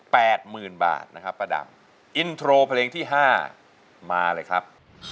แปดหมื่นบาทนะครับประดับวินทรวมาเลยครับ